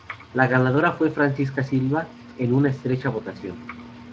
La ganadora fue Francisca Silva, en una estrecha votación.